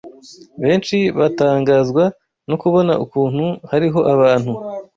Benshi batangazwa no kubona ukuntu hariho abantu